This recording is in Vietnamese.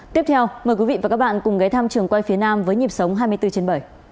tiếp theo mời quý vị và các bạn cùng ghé thăm trường quay phía nam với nhịp sống hai mươi bốn trên bảy